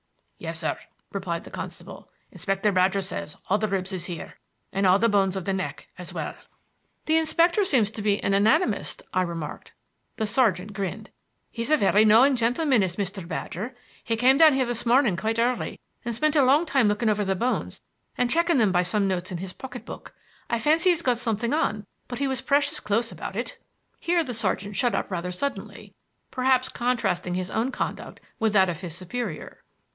"Yes, sir," replied the constable. "Inspector Badger says all the ribs is here, and all the bones of the neck as well." "The inspector seems to be an anatomist," I remarked. The sergeant grinned. "He is a very knowing gentleman, is Mr. Badger. He came down here this morning quite early and spent a long time looking over the bones and checking them by some notes in his pocket book. I fancy he's got something on, but he was precious close about it." Here the sergeant shut up rather suddenly perhaps contrasting his own conduct with that of his superior.